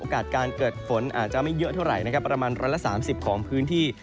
โอกาสการเกิดฝนอาจจะไม่เยอะเท่าไรนะครับประมาณร้อยละสามสิบของพื้นที่